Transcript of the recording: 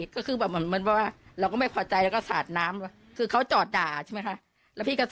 เรื่องที่ว่าปลาขี้หมาหลังบ้านเนี่ย